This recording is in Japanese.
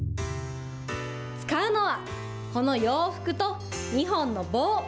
使うのは、この洋服と、２本の棒。